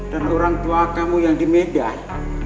dan orang tua kamu yang di medan